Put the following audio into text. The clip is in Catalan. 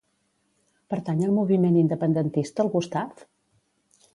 Pertany al moviment independentista el Gustaf?